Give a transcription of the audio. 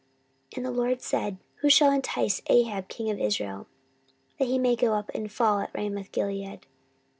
14:018:019 And the LORD said, Who shall entice Ahab king of Israel, that he may go up and fall at Ramothgilead?